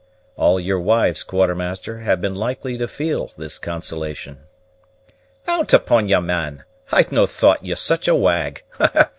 "All your wives, Quartermaster, have been likely to feel this consolation." "Out upon ye, man! I'd no' thought ye such a wag.